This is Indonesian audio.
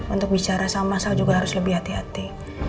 untuk bicara sama masal juga harus lebih hati hati